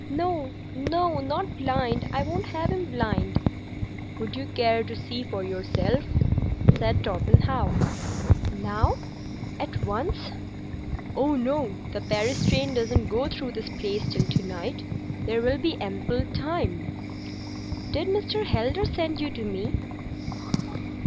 "No! No! Not blind! I won't have him blind!" "Would you care to see for yourself?" said Torpenhow. "Now,—at once?" "Oh, no! The Paris train doesn't go through this place till to night. There will be ample time." "Did Mr. Heldar send you to me?"